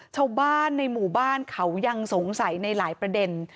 ชาวบ้านในหมู่บ้านเขายังสงสัยในหลายประเด็น